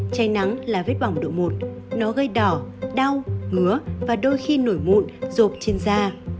cháy nắng là vết bỏng độ một nó gây đỏ đau ngứa và đôi khi nổi mụn rộp trên da